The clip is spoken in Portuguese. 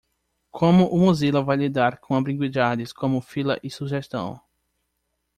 Como o Mozilla vai lidar com ambiguidades como fila e sugestão?